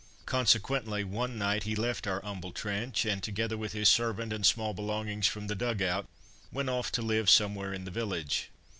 Consequently one night he left our humble trench and, together with his servant and small belongings from the dug out, went off to live somewhere in the village.